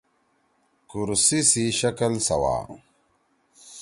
کرسی سی شکل سوا۔